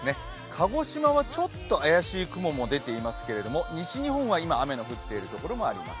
鹿児島はちょっと怪しい雲も出ていますけど西日本は今、雨の降っているところもあります